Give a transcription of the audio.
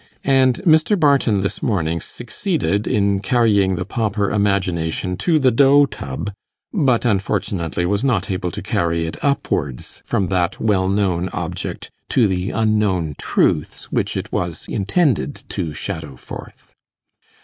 And Mr. Barton this morning succeeded in carrying the pauper imagination to the dough tub, but unfortunately was not able to carry it upwards from that well known object to the unknown truths which it was intended to shadow forth.